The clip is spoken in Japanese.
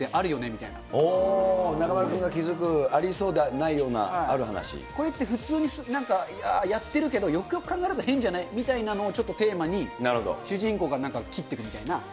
点っ中丸君が気付くありそうでなこれって普通になんか、やってるけど、よくよく考えると変じゃない？みたいなのをちょっとテーマに、主人公がなんかきっていくみたいな。